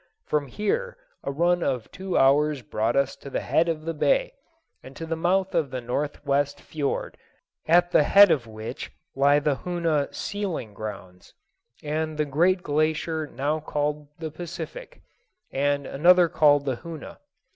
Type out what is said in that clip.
From here a run of two hours brought us to the head of the bay, and to the mouth of the northwest fiord, at the head of which lie the Hoona sealing grounds, and the great glacier now called the Pacific, and another called the Hoona.